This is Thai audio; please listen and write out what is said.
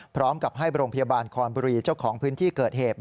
พร้อมกับให้โรงพยาบาลคอนบุรีเจ้าของพื้นที่เกิดเหตุ